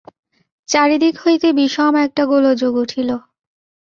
চারিদিক হইতে বিষম একটা গোলযোগ উঠিল।